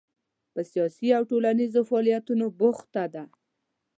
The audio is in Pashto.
په سیاسي او ټولنیزو فعالیتونو بوخته ده.